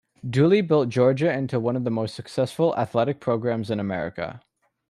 Dooley built Georgia into one of the most successful athletic programs in America.